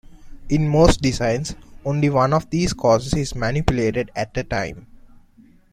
In most designs, only one of these causes is manipulated at a time.